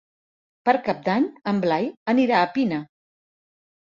Per Cap d'Any en Blai anirà a Pina.